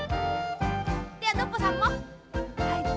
ではノッポさんも。